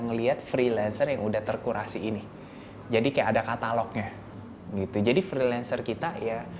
ngelihat freelancer yang udah terkurasi ini jadi kayak ada katalognya gitu jadi freelancer kita ya